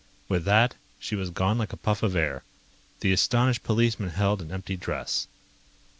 With that, she was gone like a puff of air. The astonished policemen held an empty dress.